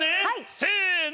せの！